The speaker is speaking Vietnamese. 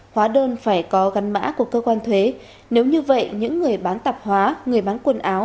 hóa đơn phải có gắn mã của cơ quan thuế nếu như vậy những người bán tạp hóa người bán quần áo